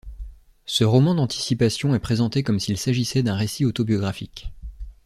Ce roman d’anticipation est présenté comme s’il s’agissait d’un récit autobiographique.